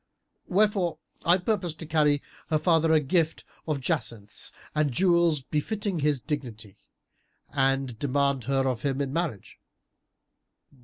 Wherefore I purpose to carry her father a gift of jacinths and jewels befitting his dignity, and demand her of him in marriage.